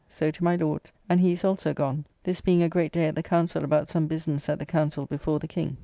So to my Lord's; and he is also gone: this being a great day at the Council about some business at the Council before the King.